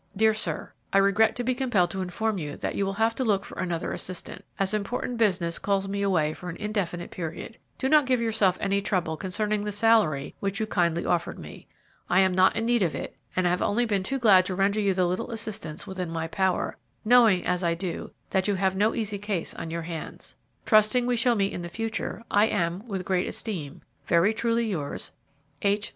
"DEAR SIR, I regret to be compelled to inform you that you will have to look for another assistant, as important business calls me away for an indefinite period. Do not give yourself any trouble concerning the salary which you kindly offered me. I am not in need of it, and have only been too glad to render you the little assistance within my power, knowing, as I do, that you have no easy case on your hands. "Trusting we shall meet in the future, I am, with great esteem, "Very truly yours, "H.